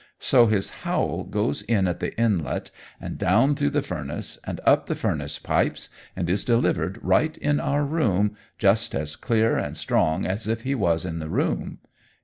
So his howl goes in at the inlet and down through the furnace and up the furnace pipes, and is delivered right in our room, just as clear and strong as if he was in the room.